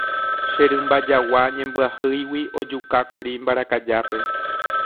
Che rymba jagua ñembyahýigui ojukákuri mbarakajápe.